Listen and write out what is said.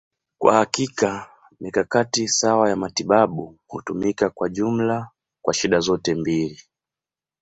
Kwa hakika, mikakati sawa ya matibabu hutumika kwa jumla kwa shida zote mbili.